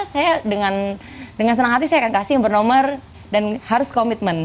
saya dengan senang hati saya akan kasih yang bernomor dan harus komitmen